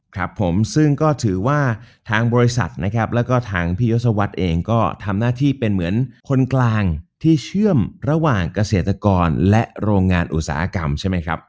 ครับผมซึ่งก็ถือว่าทางบริษัทนะครับแล้วก็ทางพี่ยศวรรษเองก็ทำหน้าที่เป็นเหมือนคนกลางที่เชื่อมระหว่างเกษตรกรและโรงงานอุตสาหกรรมใช่ไหมครับ